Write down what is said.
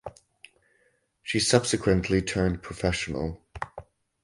She subsequently turned professional.